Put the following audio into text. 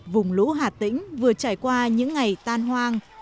vùng lũ hà tĩnh vừa trải qua những ngày tan hoang